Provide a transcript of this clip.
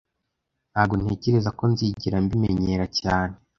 Ntago ntekereza ko nzigera mbimenyera cyane